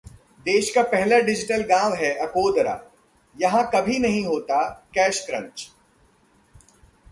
देश का पहला डिजिटल गांव है अकोदरा, यहां कभी नहीं होता कैश क्रंच